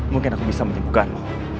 mungkin aku bisa menyembuhkanmu